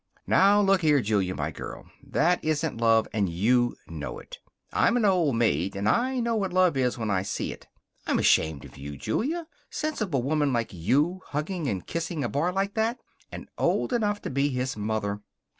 "Now, look here, Julia, my girl. That isn't love, and you know it. I'm an old maid, but I know what love is when I see it. I'm ashamed of you, Julia. Sensible woman like you, hugging and kissing a boy like that, and old enough to be his mother."